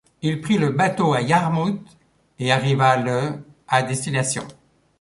Il prit le bateau à Yarmouth et arriva le à destination.